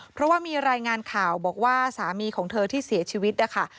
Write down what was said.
เพราะว่ามีรายงานข่าวบอกว่าสามีของเธอที่เสียชีวิตนะคะ